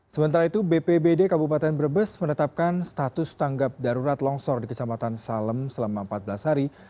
sementara itu bpbd kabupaten brebes menetapkan status tanggap darurat longsor di kecamatan salem selama empat belas hari